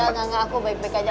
nggak nggak aku baik baik aja